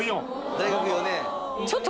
大学４年。